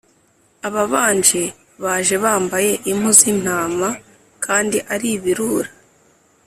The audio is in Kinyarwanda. Ababanje baje bambaye impu z'intama kandi ari ibirura,